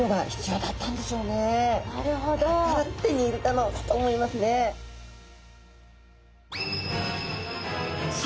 だから手に入れたのだと思いますね。